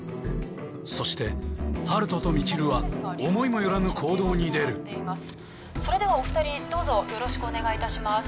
そして温人と未知留は思いもよらぬ行動に出るそれではお二人どうぞよろしくお願いいたします